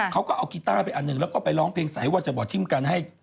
เขาก็เอากีต้าไปอันหนึ่งแล้วก็ไปร้องเพลงใสว่าจะบ่อทิ้มกันให้